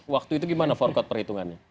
waktu itu gimana forkot perhitungannya